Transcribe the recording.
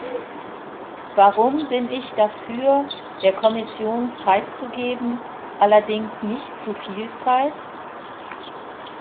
Warum bin ich dafür, der Kommission Zeit zu geben allerdings nicht zu viel Zeit?